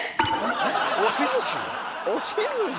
押し寿司？